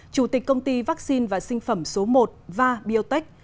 chủ tịch công ty vaccine và sinh phẩm số một và biotech